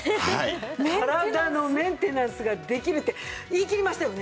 「身体のメンテナンスができる」って言いきりましたよね？